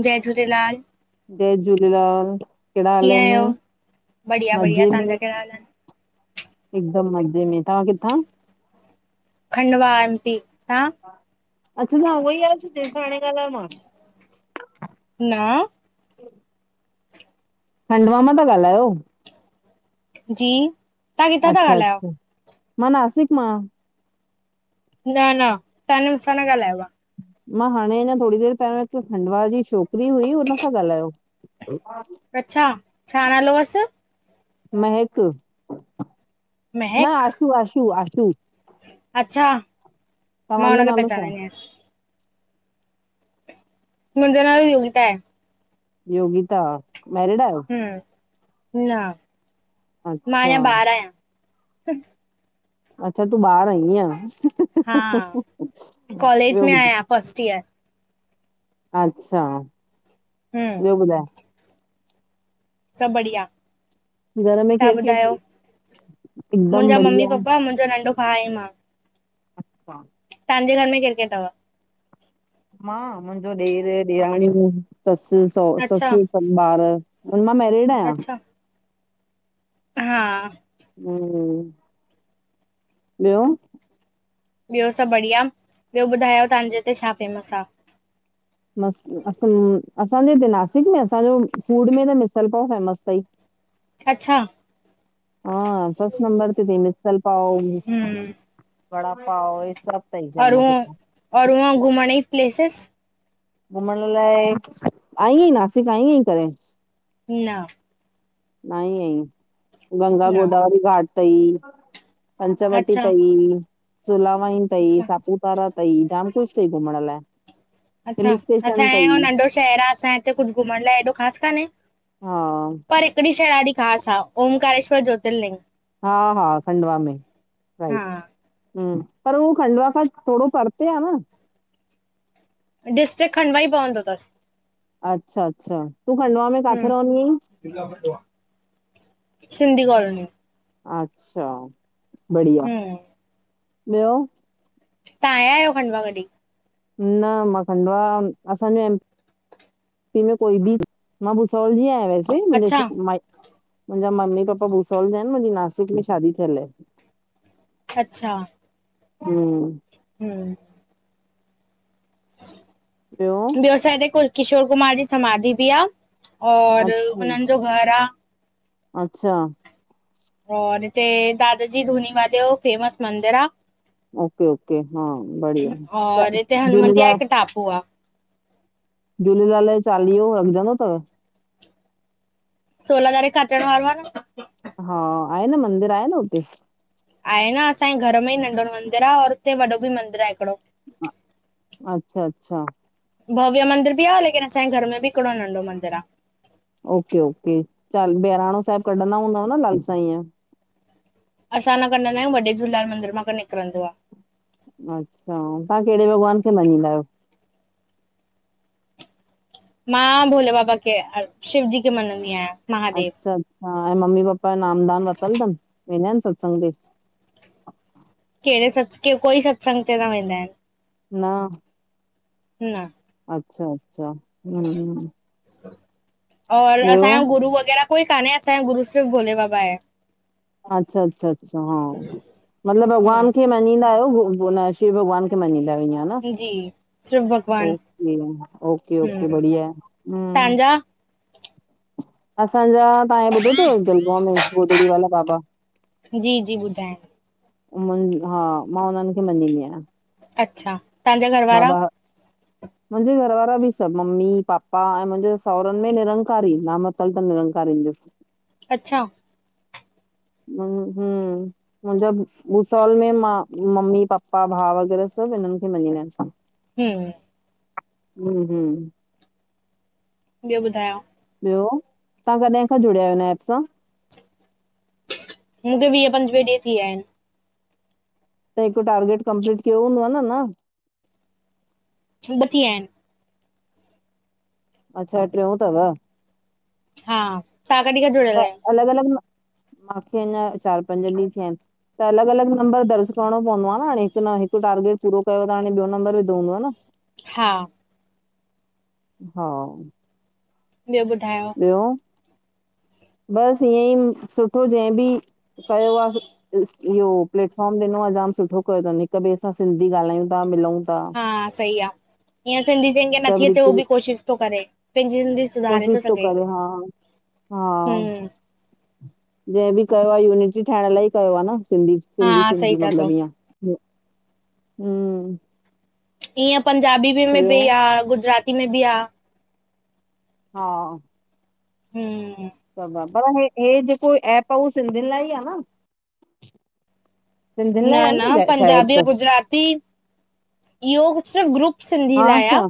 जय झूलेलाल, जय झूलेलाल। कहिड़ा हल कीअं आहिनि। आहियो? बढ़िया बढ़िया, मज़े में तव्हांजा ही। कहिड़ा हाल आहिन? हिकदम मज़े में तव्हां किथां? खंडवा एम पी तव्हा? अच्छा तन्हा उहेइ आयो जहिसा हाणे ॻालायो मां। न। खंडवा मां था ॻाल्हायो? जी। तव्हां किथां था ॻाल्हायो? अच्छा-अच्छा, मां नासिक मां। न-न, तव्हां मूंसां न ॻाल्हायो आहे। मां हाणे अञा थोरी देरि पहिरियों हिकु खंडवा जी छोकिरी हुई, हुन सां ॻाल्हायो। [inaudible] अच्छा, छा नालो हुअसि? मेहक, न महक, आशू-आशू-आशू अच्छा, मां तव्हांजो हुनखे नालो छा आहे? पहचानंदी आहियास। मुंहिंजो नालो योगिता आहे। योगिता, मैरिड आयो। हम्म। न मां अच्छा, अञा ॿार आहियां। अच्छा तूं बाहिर आई इअं। हा, कॉलेज बियो में बुध आहियां फस्ट ईयर। अच्छा, हम, ॿियो ॿुधाए? सभु बढ़िया। घर में तव्हां केरु केरु ॿुधायो? तई? हिकदमि मुंहिंजा बढ़िया। मम्मी-पप्पा, मुंहिंजो नंढो भाउ ऐं मां। अच्छा। तव्हांजे घरि में केरु-केरु अथव? मां, मुंहिंजो ॾेर, ॾेराणियूं, ससु-सहोर, अच्छा। ससु सभु बारु। उना मैरिड आहियां। अच्छा हा। हम्म। ॿियो? ॿियो सभु बढ़िया। ॿियो ॿुधायो तव्हांजे हिते छा फेमस आहे? मस्त। असांजे हिते नासिक में, असांजो फूड में त मिसल पाव फेमस अथई। [inaudible] अच्छा। हा फर्स्ट नंबर ते अथई मिसल पाओ, हम्म वड़ा पाओ हे सभु। तई और फेमस हितां। उहो-और उहो घुमण जी प्लेसस? घुमण लाइ, आईं आहीं नासिक आईं आहीं कडिहिं? न। न आई आहीं, न गंगा-गोदावरी घाट तई। पंचवटी अच्छा तई, सुला वाईन तई, अच्छा सापूत तारा तई, जाम कुछु तई घुमण लाए। अच्छा, असांजो हेडो नंढो शहर आ, असांजे हिते कुछु घुमण लाए हेॾो ख़ासि कान्हे, हा। परे हिकडी़ शहं ॾाढी खास आ, ओमकारेश्वर ज्योतिर्लिंग। हा-हा खंडवा में, हा राइट। हम्म। पर हो खंडवा खां थोडों परते आ न? डिस्ट्रिक खंडवा ई पवंदो तसि। अच्छा-अच्छा। तूं खंडवा में काथे हम्म रहंदी आहिं? सिंधी कॉलोनी। अच्छा, बढ़िया। हम्म ॿियो? तहां आया आयो खंडवा कॾी? न मां खंडवा, असांजो एम इअ कोई बि, मां भूसावल जी आयां वैसे। मुंजो अच्छा श माए मुंजा मम्मी-पापा भूसावल जा इन। मुंजी नासिक में शादी थियल ऐ। अच्छा हूं। हूं। ॿयो? ॿियो असां हिते कुल किशोर कुमार जी समाधी बि आ, और अच्छा हुनन जो घर आ। अच्छा। और हिते, दादा जी धूनीवाले यो फेमस मंदिर आ। ओके-ओके, हा बढ़िया [unintelligible] पोआ झूलेलाल जो चालीहो रमझंदो तव? सोला तारीख़ खां अचड़ वारो आ न। हा, आहे न मंदिर, आहे न हुते? आहे न असांये घर में ई नंढो मंदिर आ, और हुते वॾो बि मंदिर आहे हिकड़ो। अच्छा-अच्छा भव्य मंदिर बि आ, लेकिन असांये घर में बि हिकड़ो नंढो मंदिर आ। ओके-ओके, ॿैराणों साहेब कढंदा हूंदव न लाल साईं यो? असां न कढंदा आयूं। वॾे झूेलेलाल मंदर मां क निकरंदो आ। अच्छा, तहां केड़े भॻवान खे मञींदा आयो? मां, भोले बाबा के, शिवजी के मञंदी आयां। अच्छा-अच्छा, ऐं मम्मी-पप्पा यो नाम-दान वतल तन? वेंदा इन सत्संग ते? केडे़ सत्स? कोई सत्संग ते न वेंदा इन। न न अच्छा-अच्छा, हूं। और असांयो गुरू वग़ैरा कोई कान्हे। असांयो गुरू सिर्फ़ भोले बाबा आहे। अच्छा, अच्छा, अच्छा हा, मतलब भॻवान खे न हम्म मञींदा आहियो। शिव भॻवान खे मञींदा आयो। जी सिर्फ़ भॻवान ओे ओके, ओके-ओके हम्म बढ़िया हूं। तव्हांजा असांजा, तहां हे ॿुधो तव, जलगांव में गोदड़ी वाला बाबा? जी-जी ॿुधा आहिन। मुन् हा, मां उन्हन खे मञींदी आयां। अच्छा तव्हांजा घर वारा बाबा [inaudible] मुहिजे घरवारा भी सभ मम्मी पापा ऐ मुहिजे सावरन मे निरकारी नाम वथल त निरकारीन जो [inaudible] अच्छा हूं - हूं। मुहिजा भूसावल मे मा मम्मी पप्पा भा वग़ैरह सभु हिनन खे मनीदा आहिन। हूं हू हू ॿियो ॿुधायो? ॿियो, तव्हां कडहि खां जुड़या आयो हिन एप सां? मूखे वीह पंजवीह ॾींह थी वया आहिन। त हिकु टारगेट कपलीट कयो हूदअ न, न? छ ब थीया आहिन। अच्छा ट्रियों तव। हा, तां कडीं खां जुड़यल आयो? अलॻ अलॻ, माखे अञा चार पंज ॾींह थिया आहिन। त अलॻ अलॻ नबर दर्ज करणो पवदो आ न हाणे हिकु न हिकु टारगेट पूरो कयो त हाणे ॿियो नबर विधो हुंदव न। [inaudible] हा, हा, ॿियो ॿुधायो? ॿियो? बस ईअ ई सुठो जें बि कयो आ। इ इहो प्लेटफार्म ॾिनो आ जाम सुठो कयो तन हिक ॿे सा सिंधी ॻाल्हायू था मिलऊं हा, सही आ। ईअं सिंधी जंहिंखे सभु नथी अचे उह रीति भी कोशिश थो करे पंहिंजी सिंधी सुधारे कुछ थो त सघे करे, हा। हा, हम्म जेंह भी कयो आ यूनिटी ठाहण लाइ कयो आ न सिंधी। हा सिंधी सही सिंधी था चओ मतलब ईयं, हूं। ईअं पंजाबी मे भी आ गुजराती मे भी आ। हा, हूं, पर हे हे जेको एप आ उओ सिंधियुन लाइ ई आ न? सिंधियुनि न लाइ आ न शायद पंजाबी ओ त गुजराती इहो कुछ ग्रुप सिंधी हा लाइ आ छा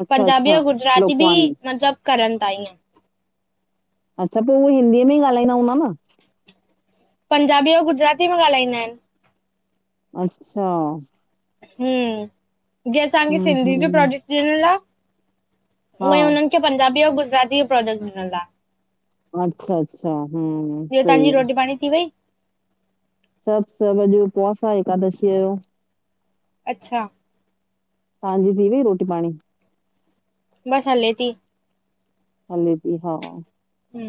अच्छा पंजाबी अच्छा ऐ गुजराती बि लोकवानी मतलब करन ता ईयं। अच्छा पो उहे हिंदीअ मे ई ॻाल्हाईंदा हूदा न। पंजाबी आऊं गुजराती मे ॻाल्हाईंदा आहिन। अच्छा। हूं, जीअं असांखे हम्म सिंधी जो हम्म प्रोजेक्ट ॾिनल आ उवईं हा, उनन पंजाबी आऊं गुजराती जो प्रोजेक्ट मिलल आ। अच्छा अचछा हूं हूं सही आ। फणी थी वई? सभ सभ अॼु उपवास आ एकादशीअ जो। अच्छा। तव्हांजी थी वई रोटी पाणी? बस हले ती। हले ती हा। हू,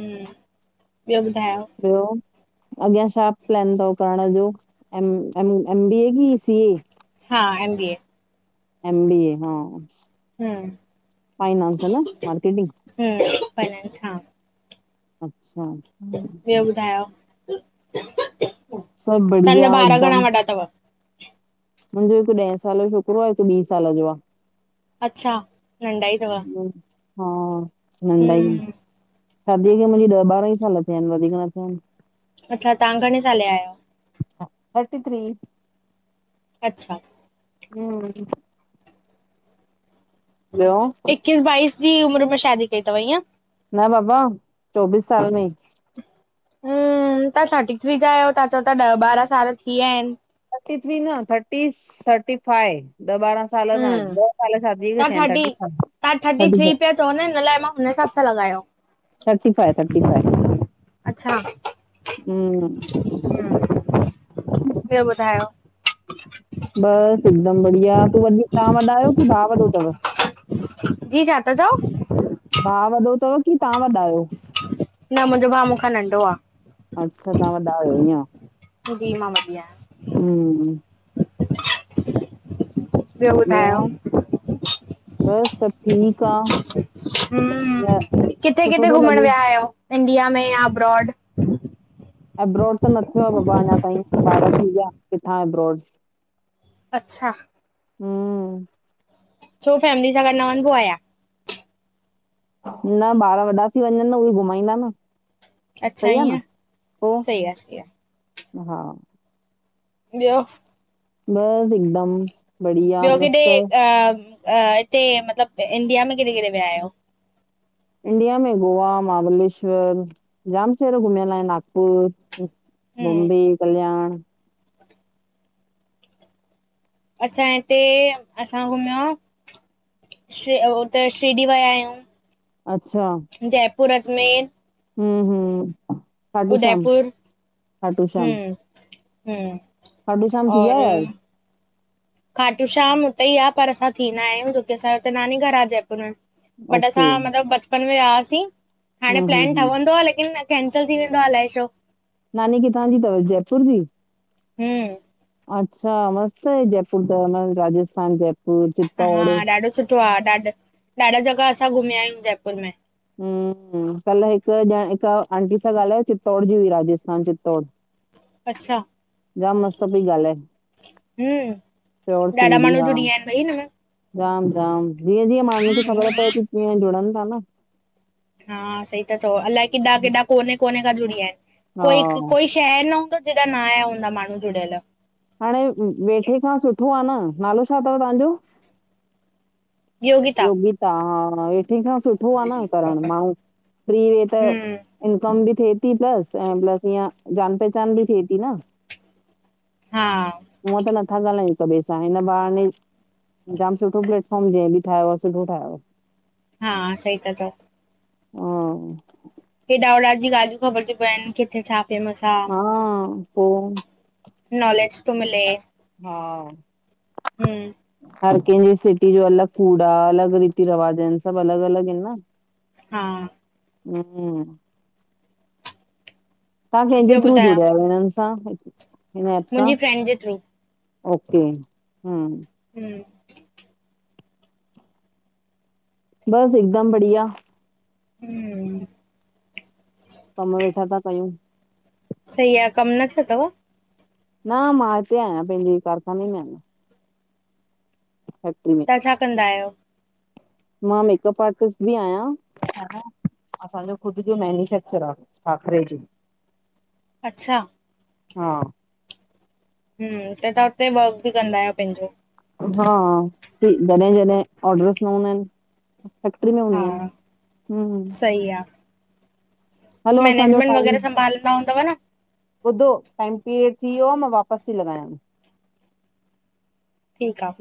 ॿियो ॿुधायो? ॿियो? अगेयां छा प्लान तव करण जो M M M B A की सी ए? हा M B A. M B A हा, हम्म फाइनआस न मार्केटिंग? हूं [unintelligible] अच्छा हम्म। ॿियो ॿुधायो, सभु तव्हांजा बढ़िया ॿार घणा वॾा तव? मुंजो हिक ॾहें साल जो छोकरो आ हिक ॿी साल जो आ। अच्छा नंढा ई तव हा, नंढा ई इन। हम्म शादीअ खे मुंजी ॾह ॿारहं ई साल थिया आहिन वधीक न थिया आहिन। अच्छा तव्हां घणे साले जा आयो? थर्टी थ्री अच्छा हम ॿियो? इकीस बाईस जी उमिर में शादी कई तव ईअं। न बाबा चोबीस साल में। हूम, तव्हां थर्टी थ्री जा आयो। तहां चओ ता ॾह ॿारहां साल थी विया आहिन। थर्टी थ्री न थर्टी थर्टी फाइव ॾ बारां साल न हम्म ॾह साल शादी तव्हां खे थर्टी थिया आहिन। तव्हां थर्टी थ्री पिया चओ न, इन लाइ मां हुन हिसाब सां लॻायो। थर्टी फाइव थर्टी फाइव अच्छा हूम। [inaudible] ॿियो ॿुधायो? ॿियो सब हिकदम बढ़िया तूं वी तव्हां वॾा आयो कि भाउ वॾो तव? जी, छाता चओ? भाउ वॾो तव व की तव्हां वॾा आयो?? न मुंजो भाउ मूं खां नंढो आ। अच्छा तव्हां वॾा आहियो जी मां वॾी आयां। हूम ॿियो, ॿियो सब ठीक आ, हम्म किथे सुठो किथे तो घुमण लॻे। विया आहियो इंडिया में या अब्रॉड। एब्रॉड त न थियो आ बाबा अञा ताईं, ॿार थी विया किथां एब्रॉड अच्छा हूम छो फैमिली सां गॾ न वञबो आ यां? न ॿार वॾा थी वञन न उहे ई घुमाईंदा न। अच्छा सही आ न ईअं पो सही आ सही आ हा, ॿियो बस हिकदम बढ़िया ॿियो, किॾे मस्त। अ हिते मतलब इंडिया में किॾे किॾे विया आयो? इंडिया में गोवा, महाबलेश्वर जाम शहर घुमयल आहिन नागपुर। हम्म बॉम्बे, कल्याण असां हिते असां घुमयो शि उते शिरडी वया आहियूं। अच्छा जयपुर, अजमेर हेम, हूम खाटू शाम उदयपुर खाटू शाम हूं खाटूशाम थी आया आहियो? खाटूशाम उते ई आ पर असां थीं ना आहियूं छोकी असांजो हुते नानी घर आ जयपुर में। बट असां ओके, मतिलब बचपन में वियासीं हाणे हम्म हम्म प्लैन हम्म, ठवंदो आ लेकिन कैंसल थी वेंदो आ, अलाए छो। नानी किथां जी तव, जयपुर जी? हम्म। अच्छा मस्त आहे जयपुर त, राजस्थान जयपुर हा चित्तौड़ ॾाढो सुठो आ ॾाढा जॻह असां घुमिया आहियूं जयपुर में हम्म हम्म कल हिकु ॼण हिकु आंटी सां ॻाल्हायो चित्तौड़ जी हुई राजस्थान चित्तौड़। [inaudible] अच्छा। जाम मस्त पई ॻाल्हाए। हम्म, ॾाढा माणहू जुड़ीयान भई हिन में जाम-जाम जीअं-जीअं माणुहुनि खे ख़बर हम्म, पए थी तीअं जुड़नि था न। हा सही त चओ अलाए किॾा किॾा कोने कोने खां जुड़िया आहिनि हा कोई कोई शहर न हूंदो जिडां न आया हूंदा माणहू जुड़ियल। हाणे वेठे खां सुठो आह न। नालो छा अथव तव्हांजो? योगिता हा वेठे खां सुठो आह न करण माण्हू फ्री वे त हम्म इनकम बि थिए थी प्लस ईअ जान पहचान बि थेती न। [inaudible] हा। हूअं त नथा ॻाल्हायूं हिक बे सां हिन बहाने जाम सुठो प्लेटफॉर्म जे ठायो अ सिधो ठायो। हा सही ता चओ। हा। हेॾा होॾा जी गाल्यूं ख़बर थी पवनि किथे छा फेमस आ हा पो नॉलेज तो मिले। हा। हम्म। हर कंहिंजी सिटी जो अलॻ फूड आ अलॻ रीति रवाज आहिन सभु अलॻ अलॻ आहिन न। हा। हम्म। तव्हां कंहिंजे ॿियो थ्रू ॿुधायो जुड़िया आहियो? हिननि सां, हिन एप सां! मुंहिंजी फ्रेंड जे थ्रू। ओके हम्म। हम्म। बस हिकदम बढ़िया। हम्म। कम वेठा था कयूं। सही आ, कम न थ्यो तव? न मां हिते आयां पेंजें कारखाने में ही आहियां। हा ठीक। तव्हां छा कंदा आहियो? मां मेकअप आर्टिस्ट भी आहियां। असांजो ख़ुदि जो मैन्युफैक्चर आ, खाकरे जी। अच्छा हा हूं, त तहां हुते वर्क बि कंदा आयो पैंजो। हा, जॾहिं जॾहिं ऑर्डर्स न हूंदा आहिन। फैक्ट्री में हूंदी हा आयां हूम। सही आ। असांजो मैनेजमेंट टाइम वग़ैरह संभालंदा हूंदव न। ॿुधो, टाइम पीरियड थी वियो आ। मां वापस ती लॻायांव। ठीक आ।